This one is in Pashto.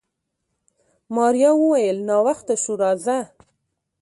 ماريا وويل ناوخته شو راځه.